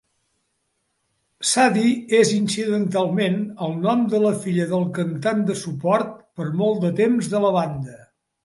Sadie és incidentalment el nom de la filla del cantant de suport per molt de temps de la banda.